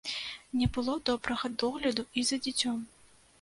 Не было добрага догляду і за дзіцём.